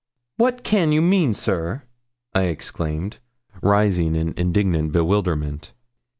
'What can you mean, sir?' I exclaimed, rising in indignant bewilderment.